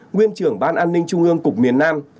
nguyên trưởng ban an ninh trung ương cục miền nam